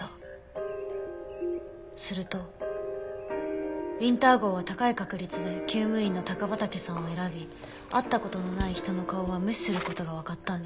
するとウィンター号は高い確率で厩務員の高畠さんを選び会った事のない人の顔は無視する事がわかったんです。